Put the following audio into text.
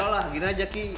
yalah gini aja ki